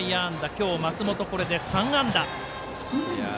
今日松本、これで３安打。